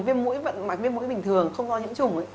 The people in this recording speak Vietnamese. viêm mũi bình thường không do nhiễm trùng